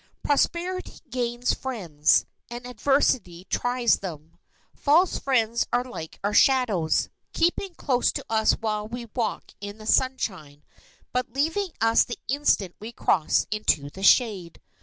Prosperity gains friends, and adversity tries them. False friends are like our shadows—keeping close to us while we walk in the sunshine, but leaving us the instant we cross into the shade.